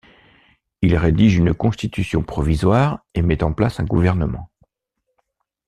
Il rédige une constitution provisoire et met en place un gouvernement.